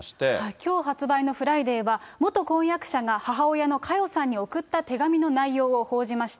きょう発売のＦＲＩＤＡＹは、元婚約者が母親の佳代さんに送った手紙の内容を報じました。